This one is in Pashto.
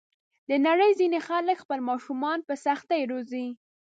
د نړۍ ځینې خلک خپل ماشومان په سختۍ روزي.